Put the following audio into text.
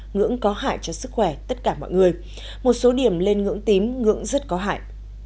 ngưỡng có hại cho sức khỏe tất cả mọi người một số điểm lên ngưỡng tím ngưỡng rất có hại